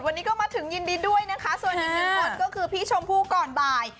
วันนี้ก็มาถึงยินดีด้วยนะคะส่วนอีกหนึ่งคนก็คือพี่ชมพู่ก่อนบ่าย